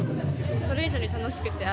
それ以上に楽しくて。